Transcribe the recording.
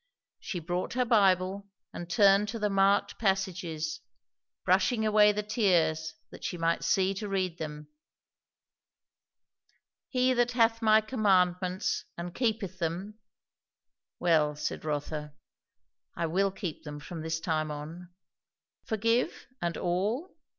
She brought her Bible and turned to the marked passages, brushing away the tears that she might see to read them. "He that hath my commandments and keepeth them " Well, said Rotha, I will keep them from this time on. Forgive and all?